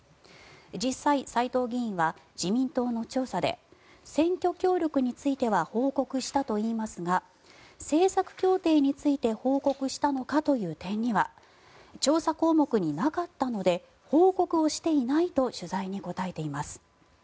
実際、斎藤議員は自民党の調査で選挙協力については報告したといいますが政策協定について報告したのかという点には調査項目になかったので報告をしていないと取材に答えています。